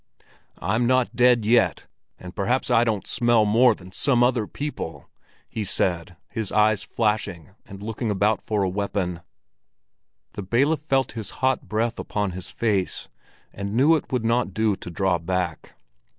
"I'm not dead yet, and perhaps I don't smell any more than some other people!" he said, his eyes flashing and looking about for a weapon. The bailiff felt his hot breath upon his face, and knew it would not do to draw back.